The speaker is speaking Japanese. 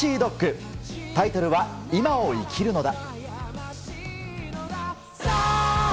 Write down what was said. タイトルは「現在を生きるのだ。」。